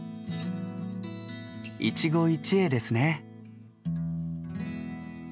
一期一会ですね。